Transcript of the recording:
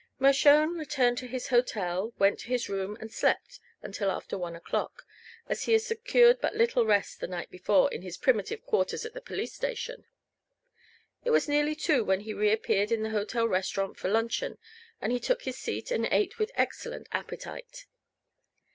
Mershone returned to his hotel, went to his room, and slept until after one o'clock, as he had secured but little rest the night before in his primitive quarters at the police station. It was nearly two when he reappeared in the hotel restaurant for luncheon, and he took his seat and ate with excellent appetite.